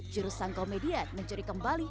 jurusan komedian mencuri kembali